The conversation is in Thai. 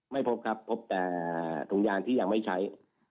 ไม่พบครับพบแต่ถุงยางที่ยังไม่ใช้